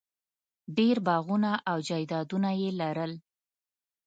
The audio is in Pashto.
ډېر باغونه او جایدادونه یې لرل.